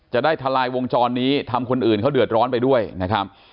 ทะลายวงจรนี้ทำคนอื่นเขาเดือดร้อนไปด้วยนะครับ